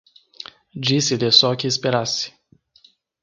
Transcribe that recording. Disse-lhe só que esperasse.